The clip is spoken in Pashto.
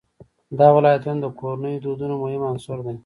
دا ولایتونه د کورنیو د دودونو مهم عنصر دی.